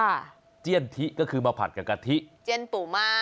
เอ้าค่ะเจ็ดทิก็คือมาผัดกับกะทิเจ็ดปูมา